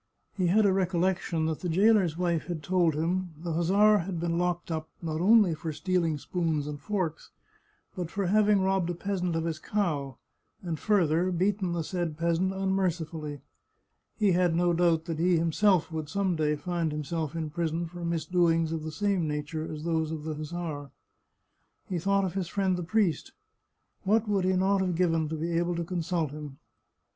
He had a recollec tion that the jailer's wife had told him the hussar had been locked up, not only for stealing spoons and forks, but for having robbed a peasant of his cow, and further beaten the said peasant unmercifully. He had no doubt that he him self would some day find himself in prison for misdoings ot the same nature as those of the hussar. He thought of his friend the priest. What would he not have given to be able to consult him !